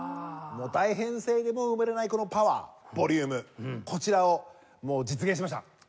大編成でも埋もれないこのパワーボリュームこちらを実現しました。